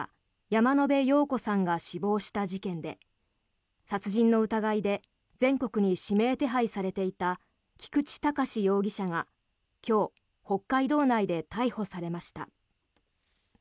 山野辺陽子さんが死亡した事件で殺人の疑いで全国に指名手配されていた菊池隆容疑者が今日、北海道内で逮捕されました。